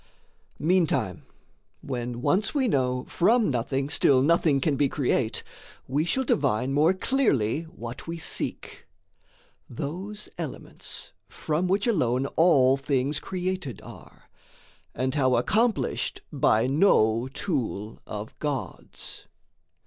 Meantime, when once we know from nothing still Nothing can be create, we shall divine More clearly what we seek: those elements From which alone all things created are, And how accomplished by no tool of Gods.